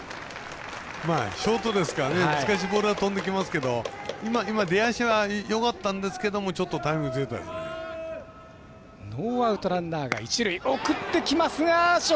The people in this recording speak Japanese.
ショートですから難しいボールが飛んできますけど今、出足はよかったんですけどもちょっとタイミングずれたんですね。